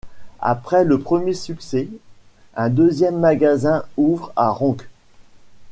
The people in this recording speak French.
Après le premier succès, un deuxième magasin ouvre à Roncq.